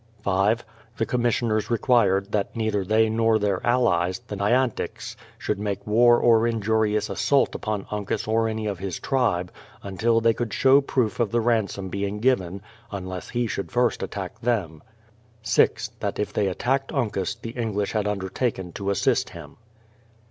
5. The commissioners required that neither they nor their allies, the Nyanticks, should make war or injurious assault upon Uncas or any of his tribe, until they could show proof of the ransom being given, — unless he should first attack them. 6. That if they attacked Uncas, the English had undertaken to assist him.